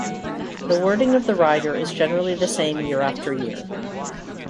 The wording of the rider is generally the same year after year.